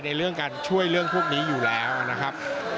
เรื่องการช่วยเรื่องพวกนี้อยู่แล้วนะครับ